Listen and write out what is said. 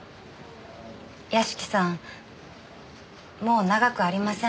屋敷さんもう長くありません。